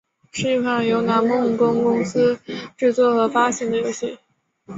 是一款由南梦宫公司制作和发行的游戏。